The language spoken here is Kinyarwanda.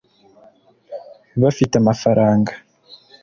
bafite amafaranga.